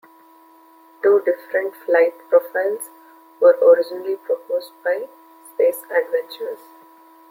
Two different flight profiles were originally proposed by Space Adventures.